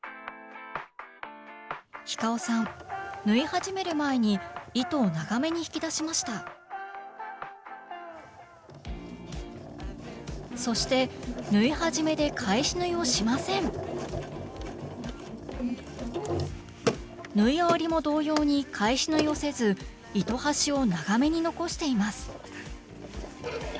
ｈｉｃａｏさん縫い始める前に糸を長めに引き出しましたそして縫い始めで返し縫いをしません縫い終わりも同様に返し縫いをせず糸端を長めに残しています